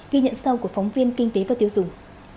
ghi nhận sau của phóng viên kinh tế và tiêu dùng